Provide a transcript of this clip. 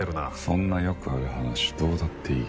そんなよくある話どうだっていい。